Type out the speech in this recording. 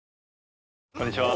こんにちは。